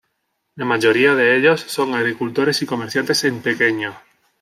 La mayoría de ellos son agricultores y comerciantes en pequeño.